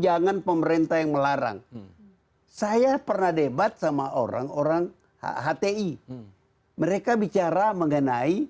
jangan pemerintah yang melarang saya pernah debat sama orang orang hti mereka bicara mengenai